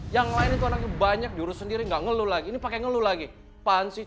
yang lain itu anaknya banyak diurus sendiri gak ngeluh lagi ini pake ngeluh lagi apaan sih